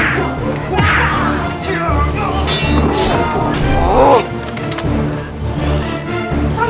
saya sudah butuh seorang peon di bandara lo